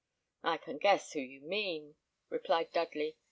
"I can guess whom you mean," replied Dudley.